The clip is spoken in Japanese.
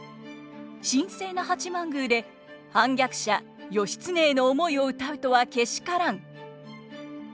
「神聖な八幡宮で反逆者義経への思いを歌うとはけしからん」。